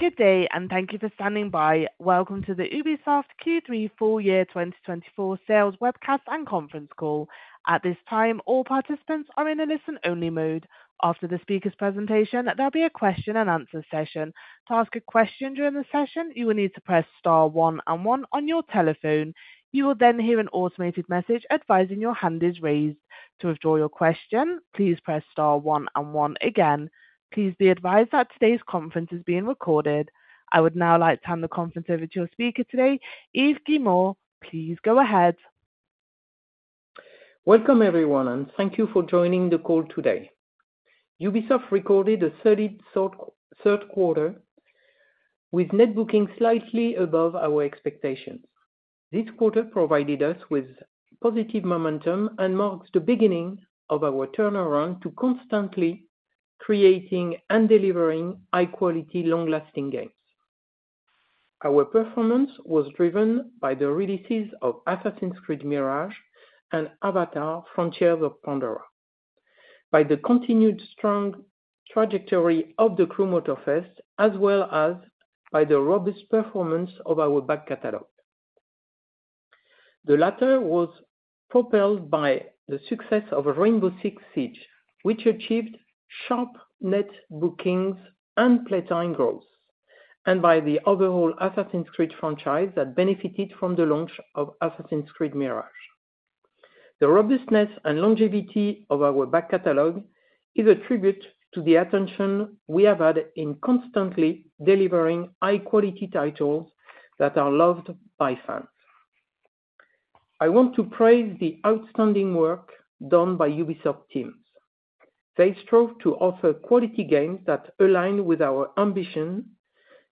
Good day, and thank you for standing by. Welcome to the Ubisoft Q3 full year 2024 sales webcast and conference call. At this time, all participants are in a listen-only mode. After the speaker's presentation, there'll be a question-and-answer session. To ask a question during the session, you will need to press star 1 and 1 on your telephone. You will then hear an automated message advising your hand is raised. To withdraw your question, please press star 1 and 1 again. Please be advised that today's conference is being recorded. I would now like to hand the conference over to your speaker today, Yves Guillemot. Please go ahead. Welcome everyone, and thank you for joining the call today. Ubisoft recorded a solid Q3, with net bookings slightly above our expectations. This quarter provided us with positive momentum and marks the beginning of our turnaround to constantly creating and delivering high-quality, long-lasting games. Our performance was driven by the releases of Assassin's Creed Mirage and Avatar: Frontiers of Pandora, by the continued strong trajectory of The Crew Motorfest, as well as by the robust performance of our back catalogue. The latter was propelled by the success of Rainbow Six Siege, which achieved strong net bookings and player growth, and by the overall Assassin's Creed franchise that benefited from the launch of Assassin's Creed Mirage. The robustness and longevity of our back catalogue is a tribute to the attention we have had in constantly delivering high-quality titles that are loved by fans. I want to praise the outstanding work done by Ubisoft teams. They strove to offer quality games that align with our ambition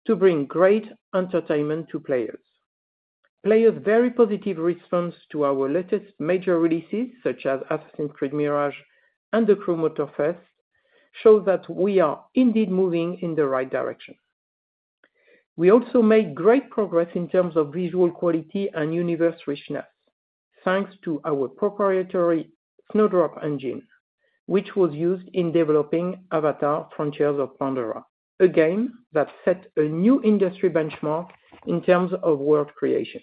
to bring great entertainment to players. Players' very positive response to our latest major releases, such as Assassin's Creed Mirage and The Crew Motorfest, shows that we are indeed moving in the right direction. We also made great progress in terms of visual quality and universe richness, thanks to our proprietary Snowdrop engine, which was used in developing Avatar: Frontiers of Pandora, a game that set a new industry benchmark in terms of world creation.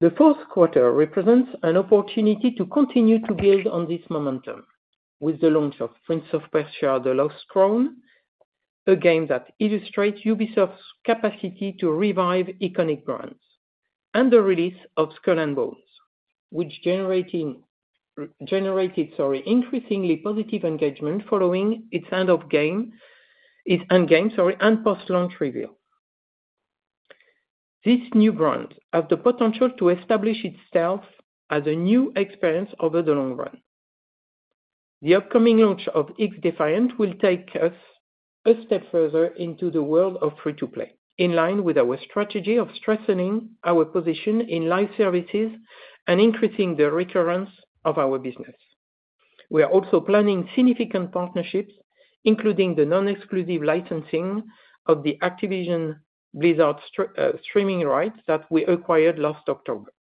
The Q4 represents an opportunity to continue to build on this momentum, with the launch of Prince of Persia: The Lost Crown, a game that illustrates Ubisoft's capacity to revive iconic brands, and the release of Skull and Bones, which generated increasingly positive engagement following its endgame and post-launch reveal. These new brands have the potential to establish itself as a new experience over the long run. The upcoming launch of XDefiant will take us a step further into the world of free-to-play, in line with our strategy of strengthening our position in live services and increasing the recurrence of our business. We are also planning significant partnerships, including the non-exclusive licensing of the Activision Blizzard streaming rights that we acquired last October.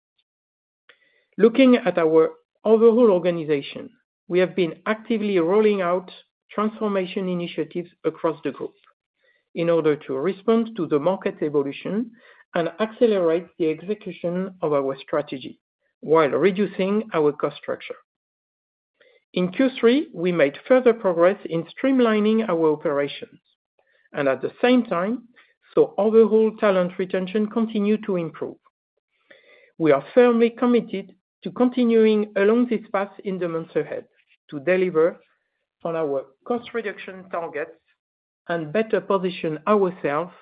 Looking at our overall organization, we have been actively rolling out transformation initiatives across the group in order to respond to the market evolution and accelerate the execution of our strategy while reducing our cost structure. In Q3, we made further progress in streamlining our operations, and at the same time, saw overall talent retention continue to improve. We are firmly committed to continuing along this path in the months ahead to deliver on our cost reduction targets and better position ourselves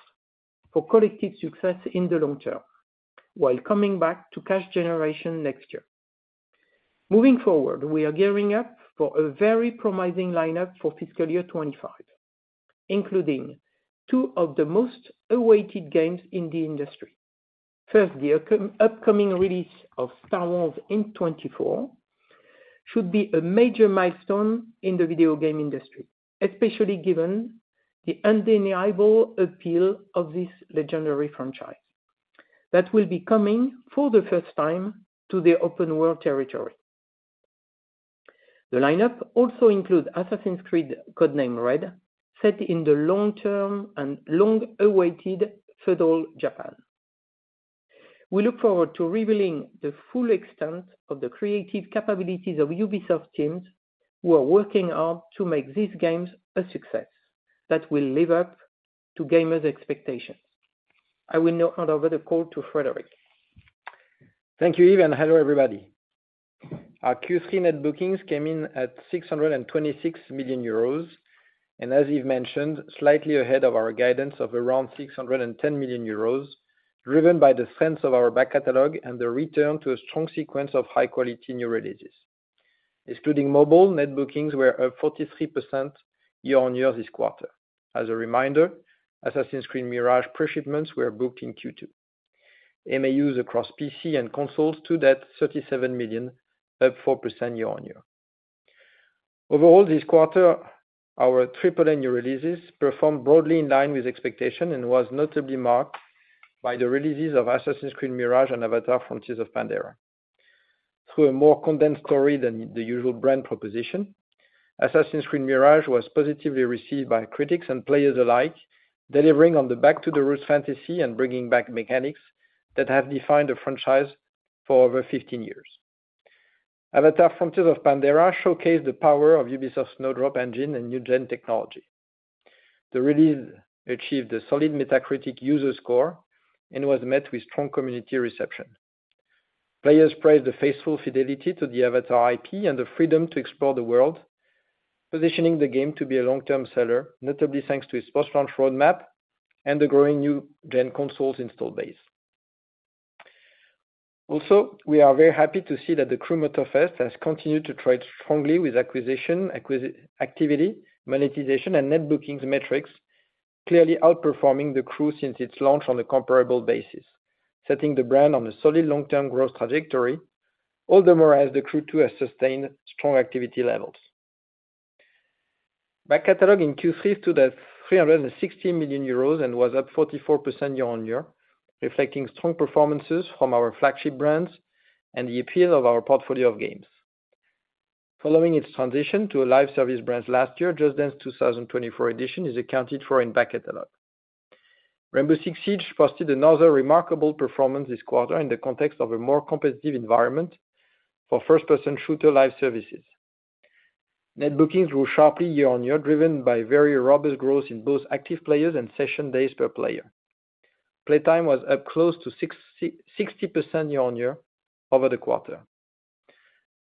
for collective success in the long term, while coming back to cash generation next year. Moving forward, we are gearing up for a very promising lineup for fiscal year 2025, including two of the most awaited games in the industry. First, the upcoming release of Star Wars in 2024 should be a major milestone in the video game industry, especially given the undeniable appeal of this legendary franchise that will be coming for the first time to the open world territory. The lineup also includes Assassin's Creed Codename Red, set in the long-term and long-awaited feudal Japan. We look forward to revealing the full extent of the creative capabilities of Ubisoft teams who are working hard to make these games a success that will live up to gamers' expectations. I will now hand over the call to Frédérick. Thank you, Yves, and hello everybody. Our Q3 net bookings came in at 626 million euros, and as Yves mentioned, slightly ahead of our guidance of around 610 million euros, driven by the strength of our back catalogue and the return to a strong sequence of high-quality new releases. Excluding mobile, net bookings were up 43% year-on-year this quarter. As a reminder, Assassin's Creed Mirage pre-shipments were booked in Q2. MAUs across PC and consoles to 37 million, up 4% year-on-year. Overall this quarter, our AAA new releases performed broadly in line with expectation and was notably marked by the releases of Assassin's Creed Mirage and Avatar: Frontiers of Pandora. Through a more condensed story than the usual brand proposition, Assassin's Creed Mirage was positively received by critics and players alike, delivering on the back-to-the-roots fantasy and bringing back mechanics that have defined the franchise for over 15 years. Avatar: Frontiers of Pandora showcased the power of Ubisoft's Snowdrop engine and new-gen technology. The release achieved a solid Metacritic user score and was met with strong community reception. Players praised the faithful fidelity to the Avatar IP and the freedom to explore the world, positioning the game to be a long-term seller, notably thanks to its post-launch roadmap and the growing new-gen consoles installed base. Also, we are very happy to see that The Crew Motorfest has continued to trade strongly with acquisition activity, monetization, and net bookings metrics, clearly outperforming The Crew since its launch on a comparable basis, setting the brand on a solid long-term growth trajectory, all the more as The Crew 2 has sustained strong activity levels. Back catalogue in Q3 stood at 360 million euros and was up 44% year-on-year, reflecting strong performances from our flagship brands and the appeal of our portfolio of games. Following its transition to a live service brand last year, Just Dance 2024 Edition is accounted for in back catalogue. Rainbow Six Siege posted another remarkable performance this quarter in the context of a more competitive environment for first-person shooter live services. Net bookings grew sharply year-on-year, driven by very robust growth in both active players and session days per player. Playtime was up close to 60% year-on-year over the quarter.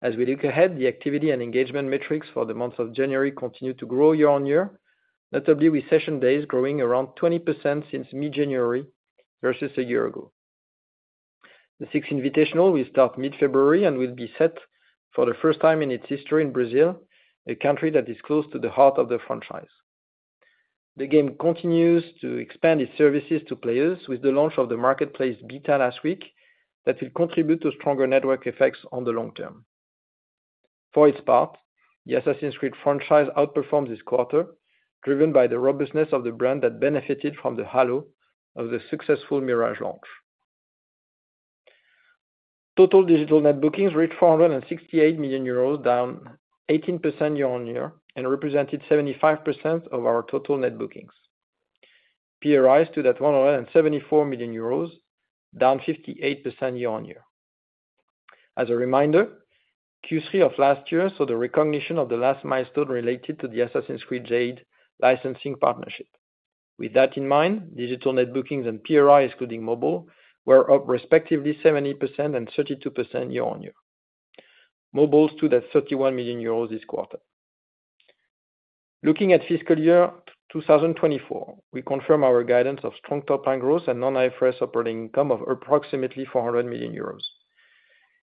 As we look ahead, the activity and engagement metrics for the months of January continue to grow year-on-year, notably with session days growing around 20% since mid-January versus a year ago. The Six Invitational will start mid-February and will be set for the first time in its history in Brazil, a country that is close to the heart of the franchise. The game continues to expand its services to players with the launch of the marketplace Beta last week that will contribute to stronger network effects on the long term. For its part, the Assassin's Creed franchise outperformed this quarter, driven by the robustness of the brand that benefited from the halo of the successful Mirage launch. Total digital net bookings reached 468 million euros, down 18% year-on-year, and represented 75% of our total net bookings. PRI stood at 174 million euros, down 58% year-on-year. As a reminder, Q3 of last year saw the recognition of the last milestone related to the Assassin's Creed Jade licensing partnership. With that in mind, digital net bookings and PRI, excluding mobile, were up respectively 70% and 32% year-on-year. Mobile stood at 31 million euros this quarter. Looking at fiscal year 2024, we confirm our guidance of strong top-line growth and non-IFRS operating income of approximately 400 million euros.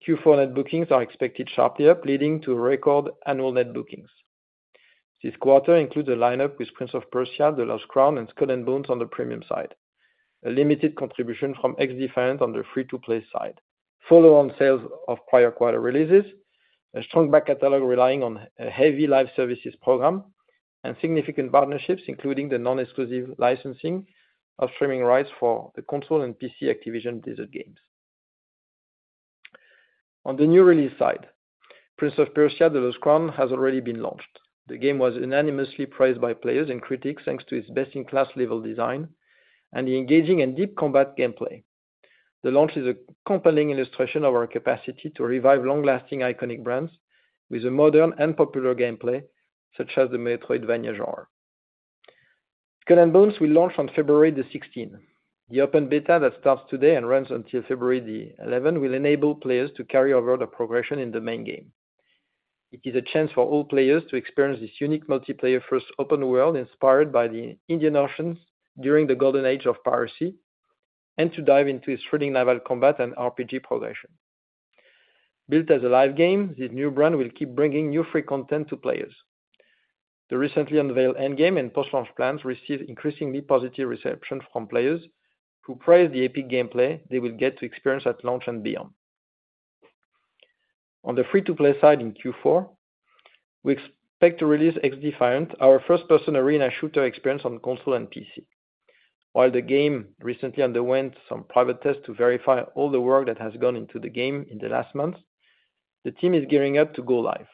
Q4 net bookings are expected sharply up, leading to record annual net bookings. This quarter includes a lineup with Prince of Persia: The Lost Crown and Skull and Bones on the premium side, a limited contribution from XDefiant on the free-to-play side, follow-on sales of prior quarter releases, a strong back catalog relying on a heavy live services program, and significant partnerships, including the non-exclusive licensing of streaming rights for the console and PC Activision Blizzard games. On the new release side, Prince of Persia: The Lost Crown has already been launched. The game was unanimously praised by players and critics thanks to its best-in-class level design and the engaging and deep combat gameplay. The launch is a compelling illustration of our capacity to revive long-lasting iconic brands with a modern and popular gameplay, such as the Metroidvania genre. Skull and Bones will launch on February the 16th. The open beta that starts today and runs until February 11th will enable players to carry over the progression in the main game. It is a chance for all players to experience this unique multiplayer-first open world inspired by the Indian Ocean during the golden age of piracy and to dive into its thrilling naval combat and RPG progression. Built as a live game, this new brand will keep bringing new free content to players. The recently unveiled endgame and post-launch plans receive increasingly positive reception from players who praise the epic gameplay they will get to experience at launch and beyond. On the free-to-play side in Q4, we expect to release XDefiant, our first-person arena shooter experience on console and PC. While the game recently underwent some private tests to verify all the work that has gone into the game in the last months, the team is gearing up to go live.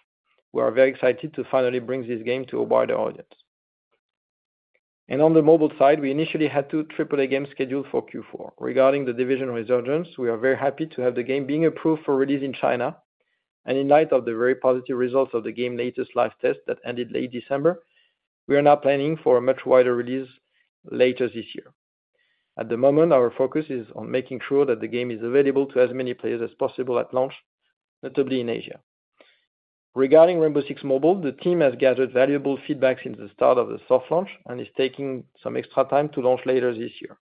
We are very excited to finally bring this game to a wider audience. On the mobile side, we initially had two AAA games scheduled for Q4. Regarding The Division Resurgence, we are very happy to have the game being approved for release in China. In light of the very positive results of the game latest live test that ended late December, we are now planning for a much wider release later this year. At the moment, our focus is on making sure that the game is available to as many players as possible at launch, notably in Asia. Regarding Rainbow Six Mobile, the team has gathered valuable feedback since the start of the soft launch and is taking some extra time to launch later this year.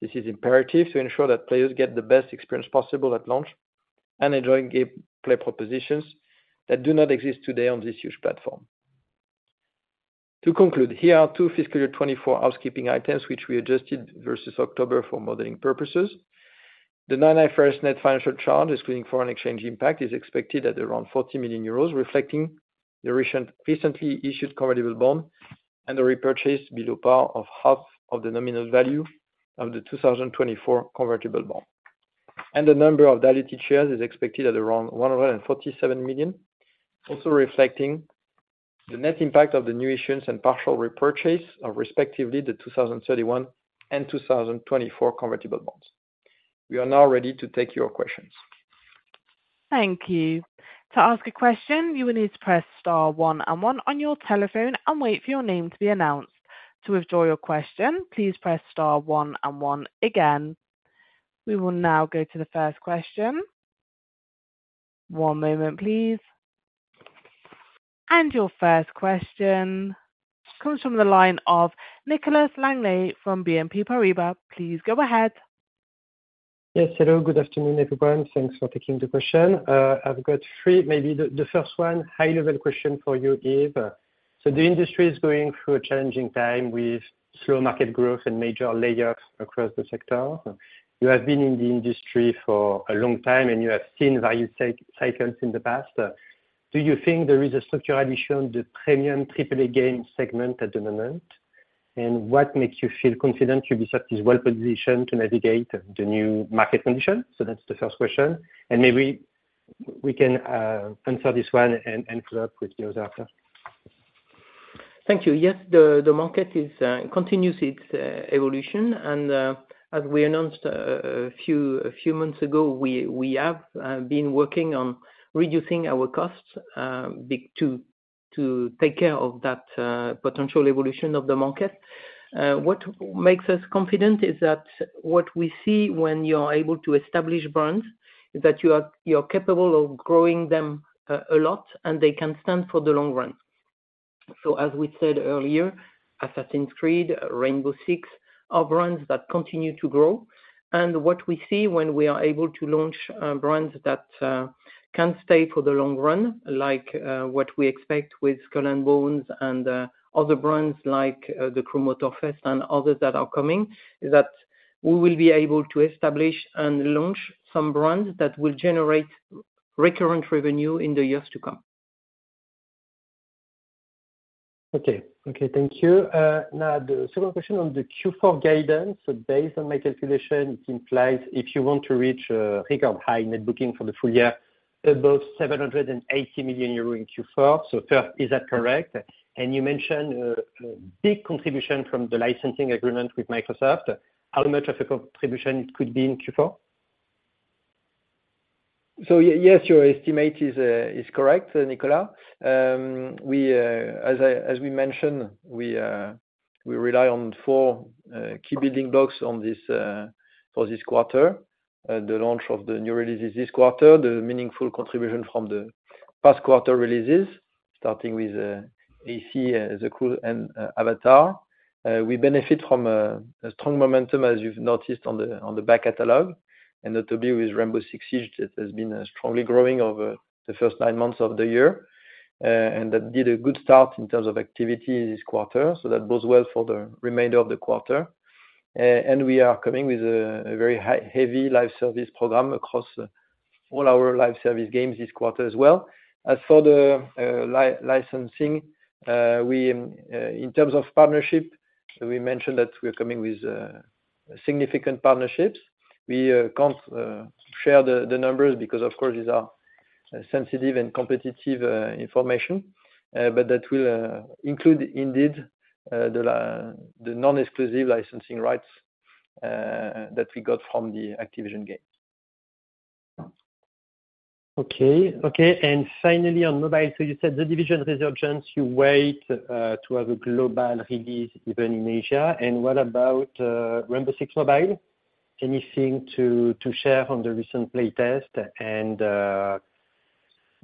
This is imperative to ensure that players get the best experience possible at launch and enjoy game play propositions that do not exist today on this huge platform. To conclude, here are two fiscal year 2024 housekeeping items, which we adjusted versus October for modeling purposes. The non-IFRS net financial charge, excluding foreign exchange impact, is expected at around 40 million euros, reflecting the recently issued convertible bond and the repurchase below par of half of the nominal value of the 2024 convertible bond. The number of diluted shares is expected at around 147 million, also reflecting the net impact of the new issuance and partial repurchase of respectively the 2031 and 2024 convertible bonds. We are now ready to take your questions. Thank you. To ask a question, you will need to press star one and one on your telephone and wait for your name to be announced. To withdraw your question, please press star one and one again. We will now go to the first question. One moment, please. Your first question comes from the line of Nicolas Langlet from BNP Paribas. Please go ahead. Yes, hello. Good afternoon, everyone. Thanks for taking the question. I've got three, maybe the first one, high-level question for you, Yves. So the industry is going through a challenging time with slow market growth and major layoffs across the sector. You have been in the industry for a long time, and you have seen value cycles in the past. Do you think there is a structural issue on the premium AAA game segment at the moment, and what makes you feel confident Ubisoft is well positioned to navigate the new market conditions? So that's the first question. And maybe we can answer this one and follow up with the others after. Thank you. Yes, the market continues its evolution. And as we announced a few months ago, we have been working on reducing our costs to take care of that potential evolution of the market. What makes us confident is that what we see when you're able to establish brands is that you're capable of growing them a lot, and they can stand for the long run. So as we said earlier, Assassin's Creed, Rainbow Six are brands that continue to grow. And what we see when we are able to launch brands that can stay for the long run, like what we expect with Skull and Bones and other brands like The Crew Motorfest and others that are coming, is that we will be able to establish and launch some brands that will generate recurrent revenue in the years to come. Okay. Okay. Thank you. Now, the second question on the Q4 guidance. Based on my calculation, it implies if you want to reach record high net booking for the full year, above 780 million euro in Q4. First, is that correct? And you mentioned a big contribution from the licensing agreement with Microsoft. How much of a contribution could be in Q4? So yes, your estimate is correct, Nicolas. As we mentioned, we rely on four key building blocks for this quarter. The launch of the new releases this quarter, the meaningful contribution from the past quarter releases, starting with AC, The Crew, and Avatar. We benefit from a strong momentum, as you've noticed, on the back catalog, and notably with Rainbow Six Siege that has been strongly growing over the first nine months of the year. And that did a good start in terms of activity this quarter, so that bodes well for the remainder of the quarter. And we are coming with a very heavy live service program across all our live service games this quarter as well. As for the licensing, in terms of partnership, we mentioned that we're coming with significant partnerships. We can't share the numbers because, of course, these are sensitive and competitive information, but that will include indeed the non-exclusive licensing rights that we got from the Activision games. Okay. Okay. And finally, on mobile, so you said The Division Resurgence, you wait to have a global release even in Asia. And what about Rainbow Six Mobile? Anything to share on the recent play test? And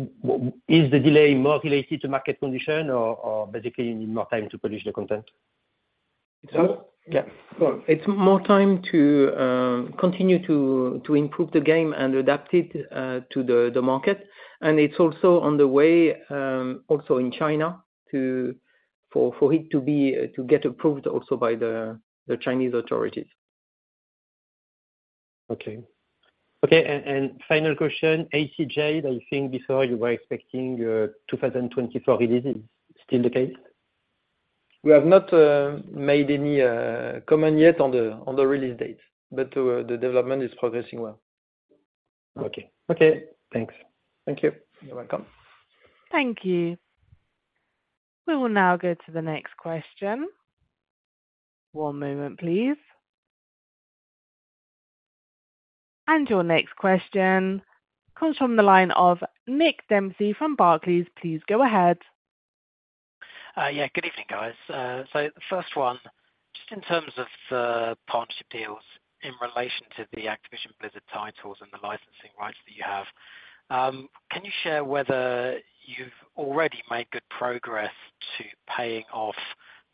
is the delay more related to market condition, or basically, you need more time to polish the content? It's more time to continue to improve the game and adapt it to the market. It's also on the way, also in China, for it to get approved also by the Chinese authorities. Okay. Okay. And final question, AC Jade, I think before you were expecting 2024 releases. Still the case? We have not made any comment yet on the release date, but the development is progressing well. Okay. Okay. Thanks. Thank you. You're welcome. Thank you. We will now go to the next question. One moment, please. Your next question comes from the line of Nick Dempsey from Barclays. Please go ahead. Yeah. Good evening, guys. So the first one, just in terms of the partnership deals in relation to the Activision Blizzard titles and the licensing rights that you have, can you share whether you've already made good progress to paying off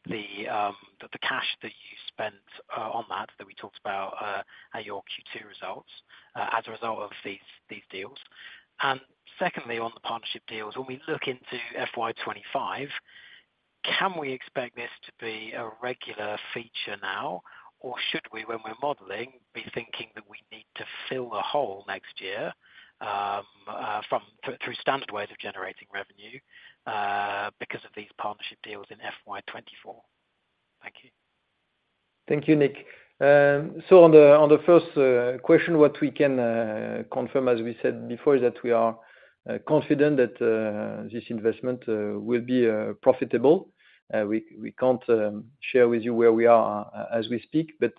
the cash that you spent on that that we talked about at your Q2 results as a result of these deals? And secondly, on the partnership deals, when we look into FY25, can we expect this to be a regular feature now, or should we, when we're modeling, be thinking that we need to fill the hole next year through standard ways of generating revenue because of these partnership deals in FY24? Thank you. Thank you, Nick. So on the first question, what we can confirm, as we said before, is that we are confident that this investment will be profitable. We can't share with you where we are as we speak, but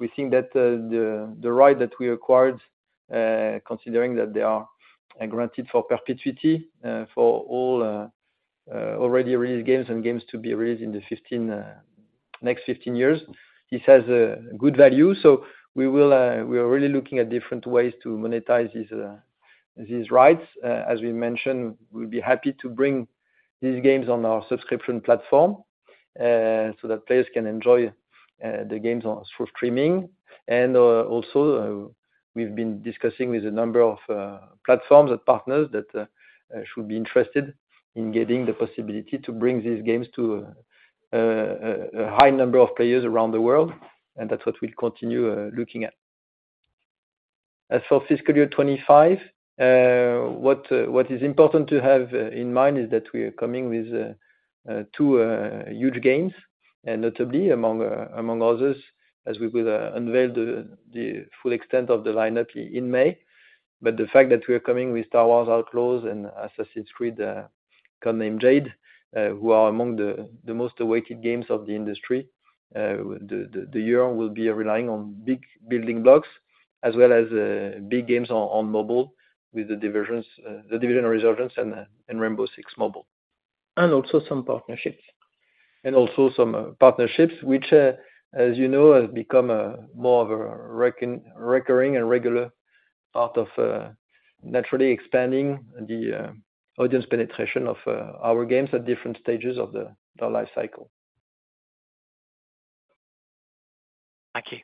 we think that the right that we acquired, considering that they are granted for perpetuity for all already released games and games to be released in the next 15 years, this has good value. So we are really looking at different ways to monetize these rights. As we mentioned, we'll be happy to bring these games on our subscription platform so that players can enjoy the games through streaming. And also, we've been discussing with a number of platforms and partners that should be interested in getting the possibility to bring these games to a high number of players around the world. And that's what we'll continue looking at. As for fiscal year 2025, what is important to have in mind is that we are coming with two huge games, notably among others, as we will unveil the full extent of the lineup in May. But the fact that we are coming with Star Wars Outlaws and Assassin's Creed Codename Jade, who are among the most awaited games of the industry, the year will be relying on big building blocks as well as big games on mobile with The Division Resurgence and Rainbow Six Mobile. Also some partnerships. Also some partnerships, which, as you know, have become more of a recurring and regular part of naturally expanding the audience penetration of our games at different stages of their life cycle. Thank you.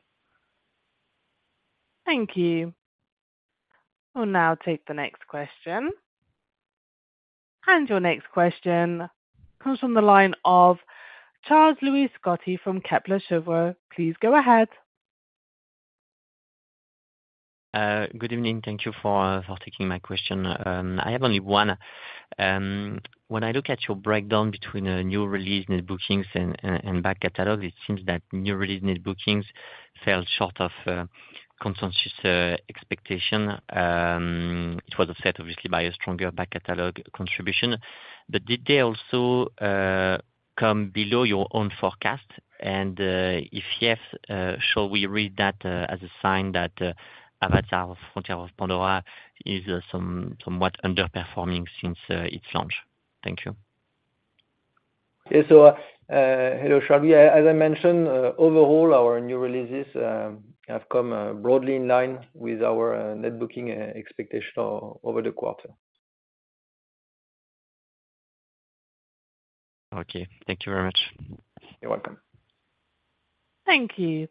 Thank you. We'll now take the next question. Your next question comes from the line of Charles-Louis Scotti from Kepler Cheuvreux. Please go ahead. Good evening. Thank you for taking my question. I have only one. When I look at your breakdown between new release net bookings and back catalogues, it seems that new release net bookings fell short of consensus expectation. It was offset, obviously, by a stronger back catalogue contribution. But did they also come below your own forecast? And if yes, shall we read that as a sign that Avatar: Frontiers of Pandora is somewhat underperforming since its launch? Thank you. Yes. So hello, Charles-Louis. As I mentioned, overall, our new releases have come broadly in line with our net bookings expectation over the quarter. Okay. Thank you very much. You're welcome. Thank you.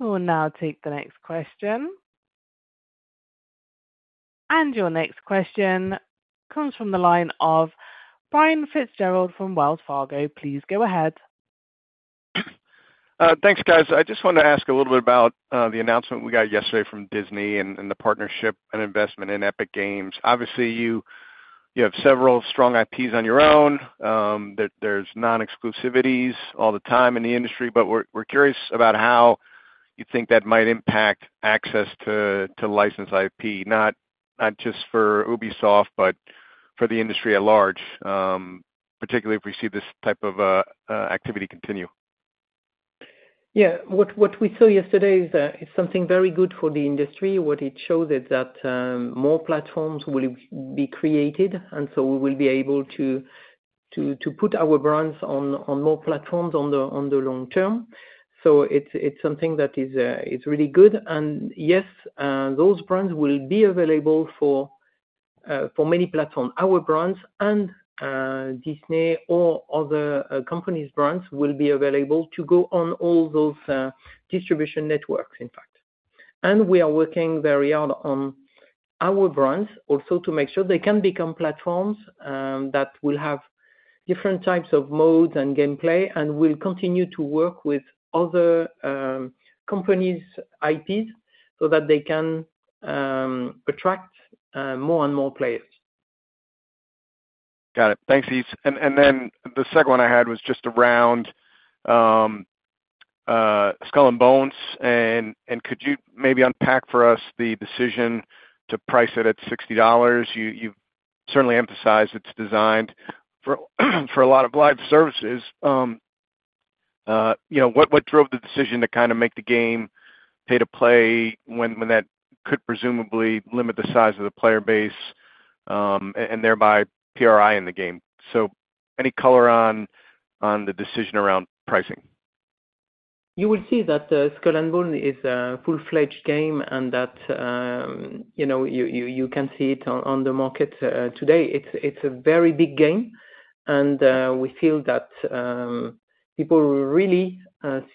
We will now take the next question. Your next question comes from the line of Brian Fitzgerald from Wells Fargo. Please go ahead. Thanks, guys. I just want to ask a little bit about the announcement we got yesterday from Disney and the partnership and investment in Epic Games. Obviously, you have several strong IPs on your own. There's non-exclusivities all the time in the industry, but we're curious about how you think that might impact access to licensed IP, not just for Ubisoft, but for the industry at large, particularly if we see this type of activity continue. Yeah. What we saw yesterday is something very good for the industry. What it shows is that more platforms will be created, and so we will be able to put our brands on more platforms on the long term. So it's something that is really good. And yes, those brands will be available for many platforms. Our brands and Disney or other companies' brands will be available to go on all those distribution networks, in fact. And we are working very hard on our brands also to make sure they can become platforms that will have different types of modes and gameplay and will continue to work with other companies' IPs so that they can attract more and more players. Got it. Thanks, Yves. And then the second one I had was just around Skull and Bones. And could you maybe unpack for us the decision to price it at $60? You've certainly emphasized it's designed for a lot of live services. What drove the decision to kind of make the game pay to play when that could presumably limit the size of the player base and thereby PRI in the game? So any color on the decision around pricing? You will see that Skull and Bones is a full-fledged game and that you can see it on the market today. It's a very big game, and we feel that people really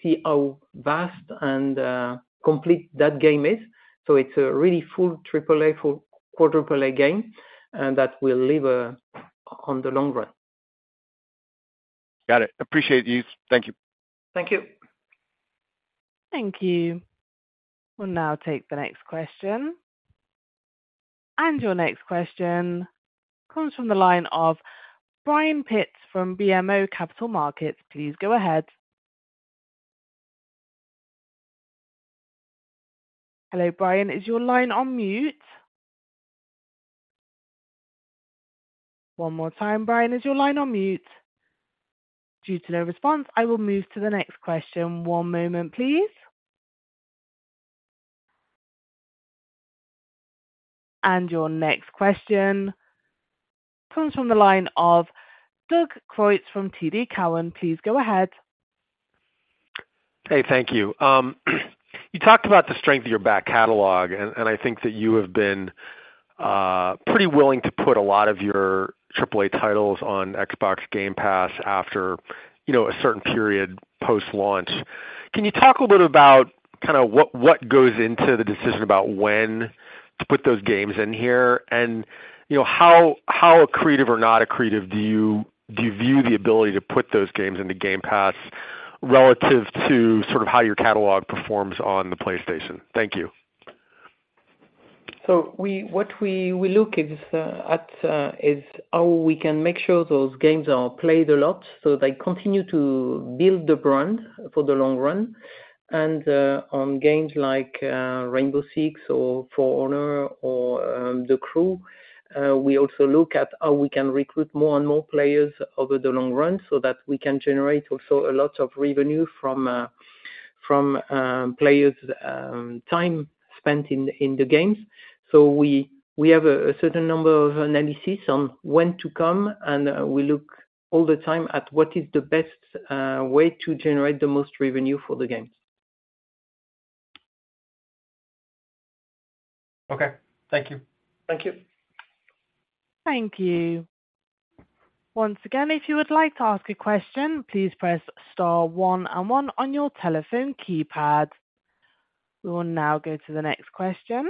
see how vast and complete that game is. So it's a really full AAA, full quadruple-A game that will live on the long run. Got it. Appreciate it, Yves. Thank you. Thank you. Thank you. We'll now take the next question. And your next question comes from the line of Brian Pitz from BMO Capital Markets. Please go ahead. Hello, Brian. Is your line on mute? One more time, Brian. Is your line on mute? Due to no response, I will move to the next question. One moment, please. And your next question comes from the line of Doug Creutz from TD Cowen. Please go ahead. Hey, thank you. You talked about the strength of your back catalogue, and I think that you have been pretty willing to put a lot of your AAA titles on Xbox Game Pass after a certain period post-launch. Can you talk a little bit about kind of what goes into the decision about when to put those games in here and how accretive or not accretive do you view the ability to put those games into Game Pass relative to sort of how your catalogue performs on the PlayStation? Thank you. So what we look at is how we can make sure those games are played a lot so they continue to build the brand for the long run. And on games like Rainbow Six or For Honor or The Crew, we also look at how we can recruit more and more players over the long run so that we can generate also a lot of revenue from players' time spent in the games. So we have a certain number of analyses on when to come, and we look all the time at what is the best way to generate the most revenue for the games. Okay. Thank you. Thank you. Thank you. Once again, if you would like to ask a question, please press star 1 and 1 on your telephone keypad. We will now go to the next question.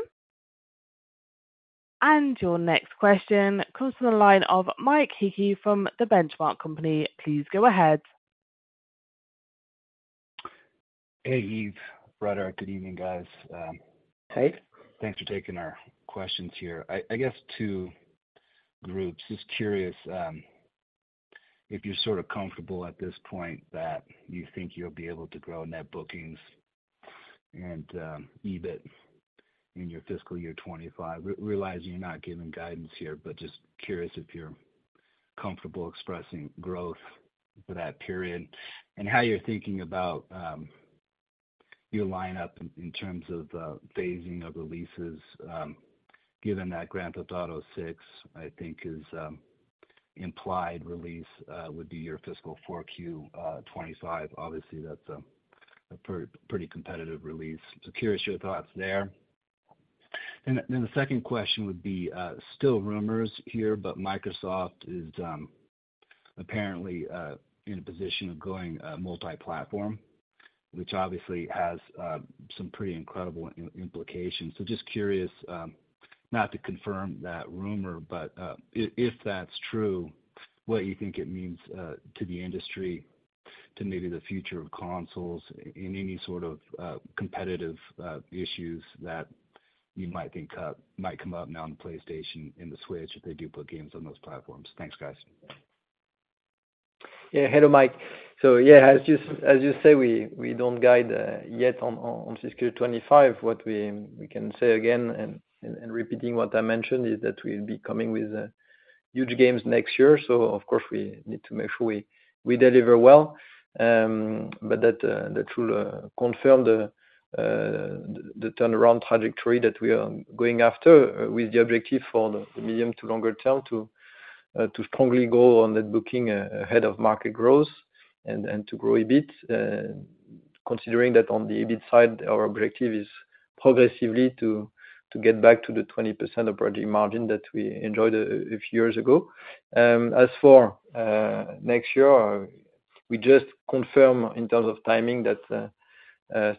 Your next question comes from the line of Mike Hickey from The Benchmark Company. Please go ahead. Hey, Yves Guillemot. Good evening, guys. Hey. Thanks for taking our questions here. I guess two groups. Just curious if you're sort of comfortable at this point that you think you'll be able to grow net bookings and EBIT in your fiscal year 2025. Realizing you're not giving guidance here, but just curious if you're comfortable expressing growth for that period and how you're thinking about your lineup in terms of phasing of releases, given that Grand Theft Auto VI, I think, is implied release would be your fiscal 4Q 2025. Obviously, that's a pretty competitive release. So curious your thoughts there. Then the second question would be still rumours here, but Microsoft is apparently in a position of going multi-platform, which obviously has some pretty incredible implications. So just curious, not to confirm that rumor, but if that's true, what you think it means to the industry, to maybe the future of consoles in any sort of competitive issues that you might think might come up now on the PlayStation and the Switch if they do put games on those platforms? Thanks, guys. Yeah. Hello, Mike. So yeah, as you say, we don't guide yet on fiscal year 2025. What we can say again and repeating what I mentioned is that we'll be coming with huge games next year. So of course, we need to make sure we deliver well. But that will confirm the turnaround trajectory that we are going after with the objective for the medium to longer term to strongly grow on net booking ahead of market growth and to grow EBIT, considering that on the EBIT side, our objective is progressively to get back to the 20% operating margin that we enjoyed a few years ago. As for next year, we just confirm in terms of timing that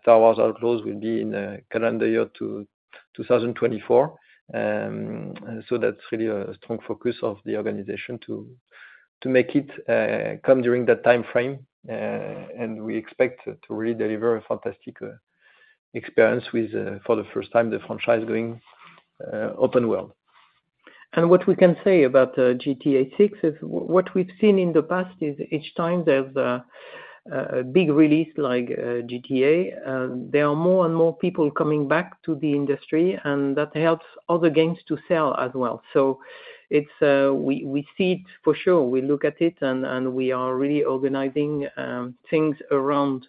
Star Wars Outlaws will be in the calendar year 2024. So that's really a strong focus of the organization to make it come during that timeframe. We expect to really deliver a fantastic experience for the first time, the franchise going open world. What we can say about GTA VI is what we've seen in the past is each time there's a big release like GTA, there are more and more people coming back to the industry, and that helps other games to sell as well. So we see it for sure. We look at it, and we are really organizing things around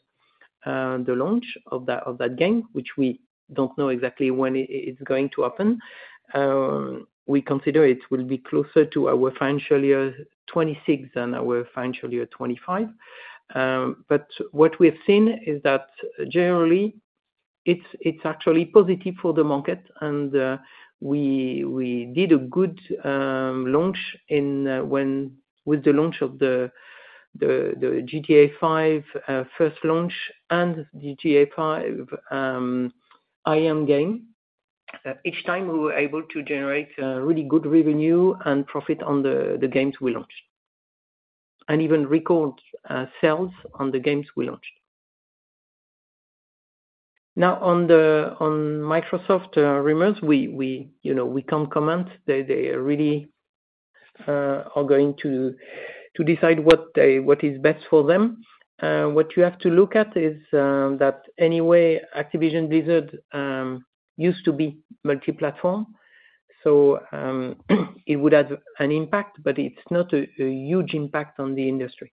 the launch of that game, which we don't know exactly when it's going to happen. We consider it will be closer to our financial year 2026 than our financial year 2025. But what we've seen is that generally, it's actually positive for the market. And we did a good launch with the launch of the GTA V first launch and GTA V Online game. Each time, we were able to generate really good revenue and profit on the games we launched and even record sales on the games we launched. Now, on Microsoft rumors, we can't comment. They really are going to decide what is best for them. What you have to look at is that anyway, Activision Blizzard used to be multi-platform. So it would have an impact, but it's not a huge impact on the industry.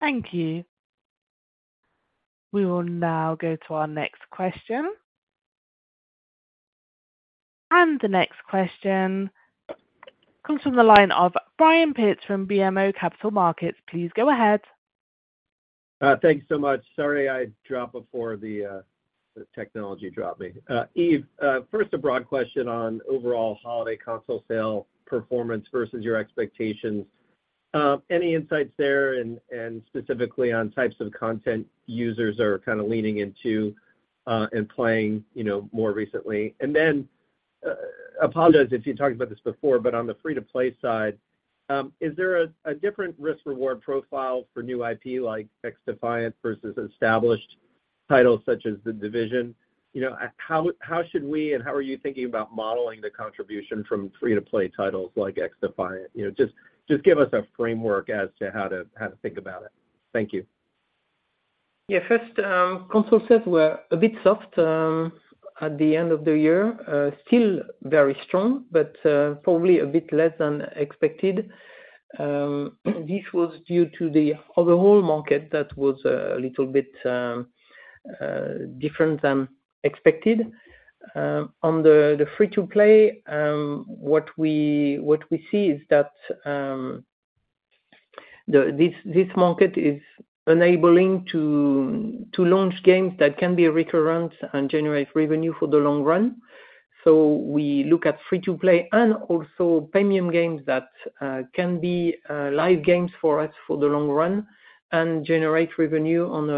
Thank you. We will now go to our next question. The next question comes from the line of Brian Pitz from BMO Capital Markets. Please go ahead. Thanks so much. Sorry I dropped before the technology dropped me. Yves, first, a broad question on overall holiday console sale performance versus your expectations. Any insights there and specifically on types of content users are kind of leaning into and playing more recently? And then apologize if you talked about this before, but on the free-to-play side, is there a different risk-reward profile for new IP like XDefiant versus established titles such as The Division? How should we and how are you thinking about modeling the contribution from free-to-play titles like XDefiant? Just give us a framework as to how to think about it. Thank you. Yeah. First, console sales were a bit soft at the end of the year, still very strong, but probably a bit less than expected. This was due to the overall market that was a little bit different than expected. On the free-to-play, what we see is that this market is enabling to launch games that can be recurrent and generate revenue for the long run. So we look at free-to-play and also premium games that can be live games for us for the long run and generate revenue on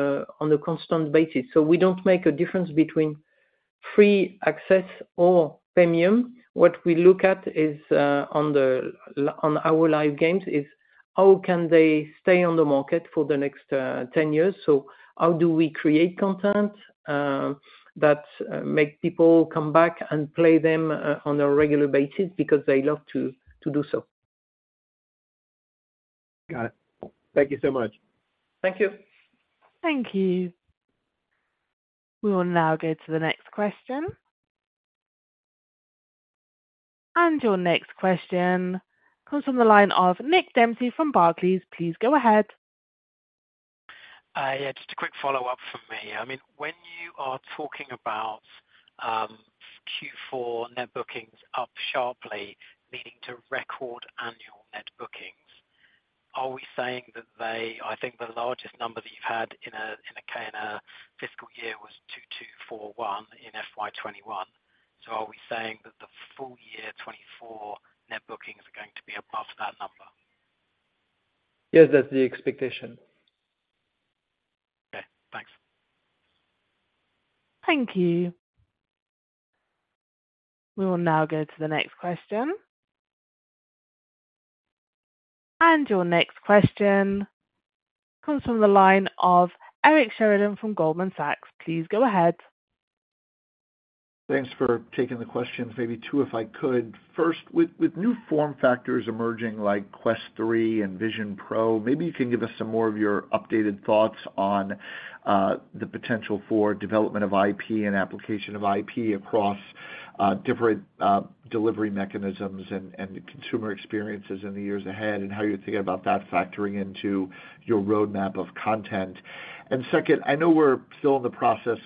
a constant basis. So we don't make a difference between free access or premium. What we look at on our live games is how can they stay on the market for the next 10 years? So how do we create content that makes people come back and play them on a regular basis because they love to do so? Got it. Thank you so much. Thank you. Thank you. We will now go to the next question. Your next question comes from the line of Nick Dempsey from Barclays. Please go ahead. Yeah. Just a quick follow-up from me. I mean, when you are talking about Q4 net bookings up sharply, meaning a record annual net bookings, are we saying that, I think, the largest number that you've had in a full fiscal year was 2,241 million in FY21. So are we saying that the full year 2024 net bookings are going to be above that number? Yes, that's the expectation. Okay. Thanks. Thank you. We will now go to the next question. Your next question comes from the line of Eric Sheridan from Goldman Sachs. Please go ahead. Thanks for taking the questions. Maybe two if I could. First, with new form factors emerging like Quest 3 and Vision Pro, maybe you can give us some more of your updated thoughts on the potential for development of IP and application of IP across different delivery mechanisms and consumer experiences in the years ahead and how you're thinking about that factoring into your roadmap of content. And second, I know we're still in the process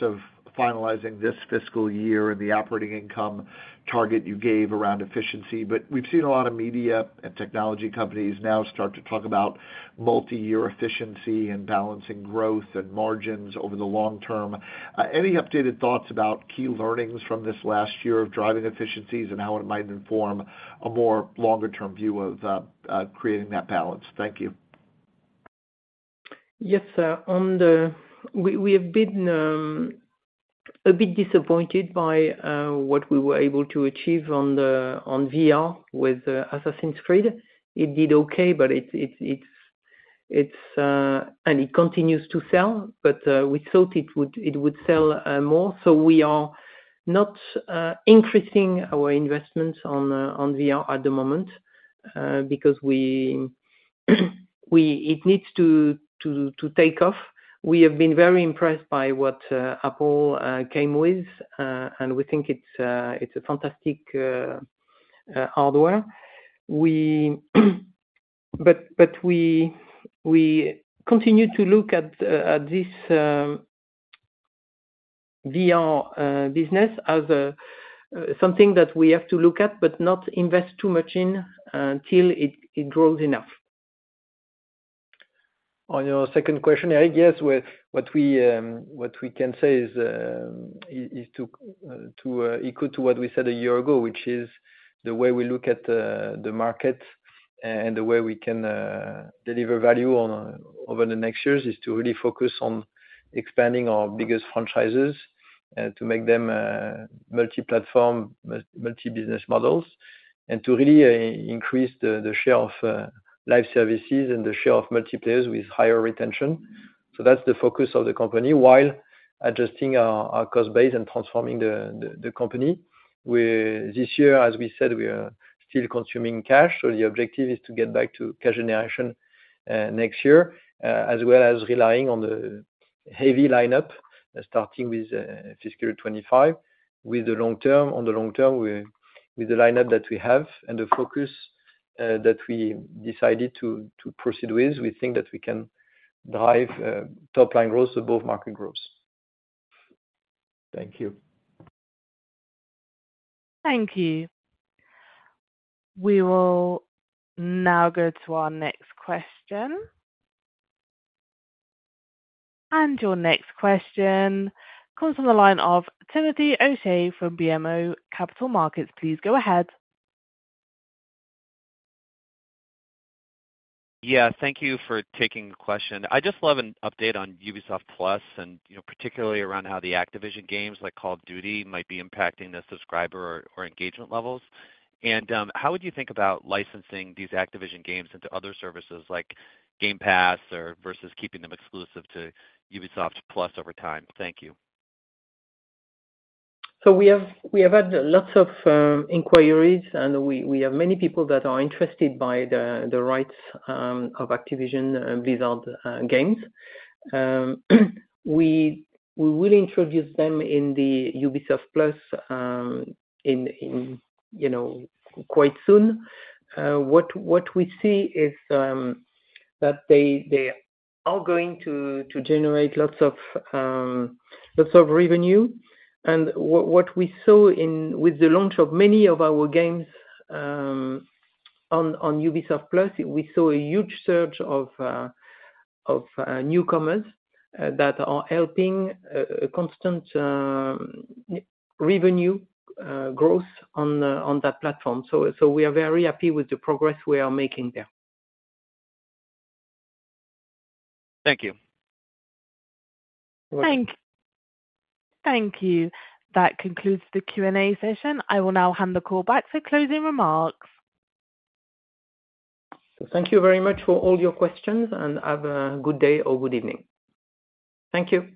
of finalizing this fiscal year and the operating income target you gave around efficiency, but we've seen a lot of media and technology companies now start to talk about multi-year efficiency and balancing growth and margins over the long term. Any updated thoughts about key learnings from this last year of driving efficiencies and how it might inform a more longer-term view of creating that balance? Thank you. Yes. We have been a bit disappointed by what we were able to achieve on VR with Assassin's Creed. It did okay, and it continues to sell, but we thought it would sell more. So we are not increasing our investments on VR at the moment because it needs to take off. We have been very impressed by what Apple came with, and we think it's a fantastic hardware. But we continue to look at this VR business as something that we have to look at but not invest too much in till it grows enough. On your second question, Eric, yes, what we can say is to echo what we said a year ago, which is the way we look at the market and the way we can deliver value over the next years is to really focus on expanding our biggest franchises to make them multi-platform, multi-business models, and to really increase the share of live services and the share of multiplayers with higher retention. So that's the focus of the company. While adjusting our cost base and transforming the company, this year, as we said, we are still consuming cash. So the objective is to get back to cash generation next year as well as relying on the heavy lineup starting with fiscal year 2025. On the long term, with the lineup that we have and the focus that we decided to proceed with, we think that we can drive top-line growth of both market growths. Thank you. Thank you. We will now go to our next question. Your next question comes from the line of Timothy O'Shea from BMO Capital Markets. Please go ahead. Yeah. Thank you for taking the question. I just love an update on Ubisoft+, and particularly around how the Activision games like Call of Duty might be impacting the subscriber or engagement levels. And how would you think about licensing these Activision games into other services like Game Pass versus keeping them exclusive to Ubisoft+ over time? Thank you. So we have had lots of inquiries, and we have many people that are interested by the rights of Activision Blizzard games. We will introduce them in the Ubisoft+ quite soon. What we see is that they are going to generate lots of revenue. And what we saw with the launch of many of our games on Ubisoft+, we saw a huge surge of newcomers that are helping constant revenue growth on that platform. So we are very happy with the progress we are making there. Thank you. Thank you. That concludes the Q&A session. I will now hand the call back for closing remarks. Thank you very much for all your questions, and have a good day or good evening. Thank you.